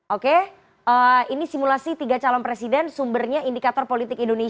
oke ini simulasi tiga calon presiden sumbernya indikator politik indonesia